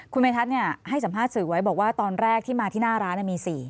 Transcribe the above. คุณเมธัศนให้สัมภาษณ์สื่อไว้บอกว่าตอนแรกที่มาที่หน้าร้านมี๔